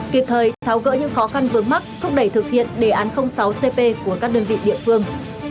kịp thời tháo gỡ những khó khăn vướng mắt thúc đẩy thực hiện đề án sáu cp của các đơn vị địa phương